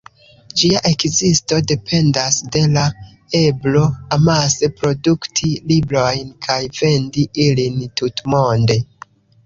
Ĝia ekzisto dependas de la eblo amase produkti librojn kaj vendi ilin tutmonde.